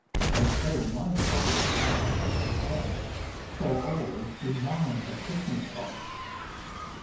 They fill my treubled heart with care, For all demand a Christmas box.